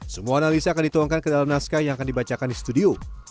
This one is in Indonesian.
semua analisa akan dituangkan ke dalam naskah yang akan dibacakan di studio